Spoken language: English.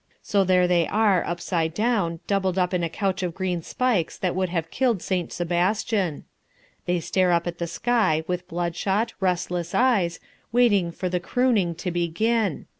So there they are upside down, doubled up on a couch of green spikes that would have killed St. Sebastian. They stare up at the sky with blood shot, restless eyes, waiting for the crooning to begin.